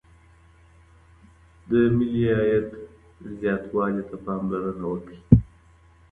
د ملي عايد زياتوالي ته پاملرنه وکړئ.